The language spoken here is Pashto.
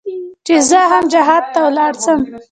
چې زه هم جهاد ته ولاړ سم.